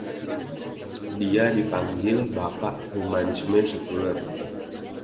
Dia dipanggil "bapak humanisme sekuler".